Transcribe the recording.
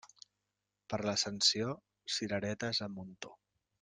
Per l'Ascensió, cireretes a muntó.